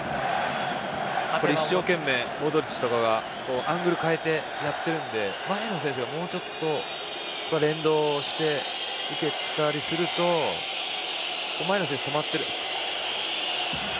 一生懸命、モドリッチとかがアングル変えてやっているので前の選手がもうちょっと連動していけたりすると前の選手が止まってる。